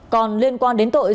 còn liên quan đến tội